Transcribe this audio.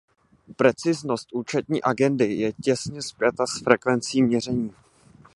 Preciznost účetní agendy je těsně spjata s frekvencí měření.